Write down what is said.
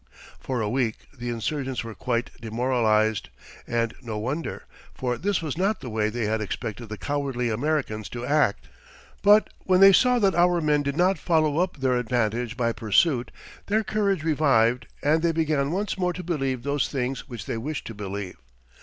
For a week the insurgents were quite demoralized, and no wonder, for this was not the way they had expected the "cowardly" Americans to act. But when they saw that our men did not follow up their advantage by pursuit, their courage revived and they began once more to believe those things which they wished to believe.